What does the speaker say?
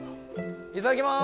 いただきます。